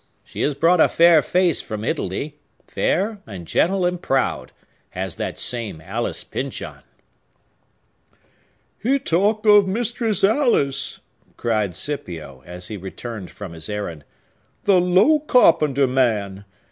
She has brought a fair face from Italy,—fair, and gentle, and proud,—has that same Alice Pyncheon!" "He talk of Mistress Alice!" cried Scipio, as he returned from his errand. "The low carpenter man!